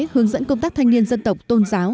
hướng dẫn công tác thanh niên dân tộc tôn giáo